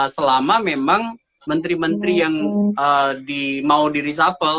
selama memang menteri menteri yang mau di reshuffle